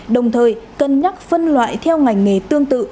đồng thời cân nhắc phân loại theo ngành nghề tương tự